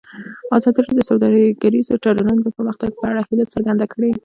ازادي راډیو د سوداګریز تړونونه د پرمختګ په اړه هیله څرګنده کړې.